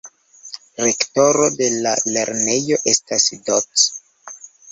Rektoro de la lernejo estas Doc.